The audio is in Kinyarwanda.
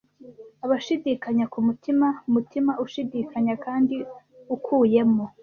Abashidikanya kumutima-mutima ushidikanya kandi ukuyemo,